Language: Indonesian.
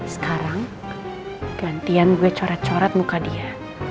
sekarang gantian gue coret coret muka dia